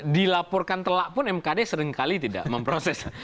dilaporkan telak pun mkd seringkali tidak memproses